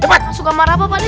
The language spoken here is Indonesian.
masuk kamar apa pak